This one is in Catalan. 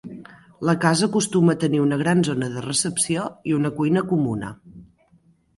La casa acostuma a tenir una gran zona de recepció i una cuina comuna.